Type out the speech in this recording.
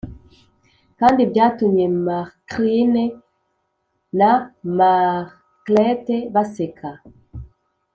kandi byatumye marcline na marclette baseka